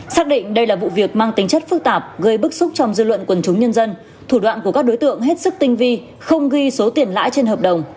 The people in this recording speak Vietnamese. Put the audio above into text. xác định đây là vụ việc mang tính chất phức tạp gây bức xúc trong dư luận quần chúng nhân dân thủ đoạn của các đối tượng hết sức tinh vi không ghi số tiền lãi trên hợp đồng